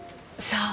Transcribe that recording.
さあ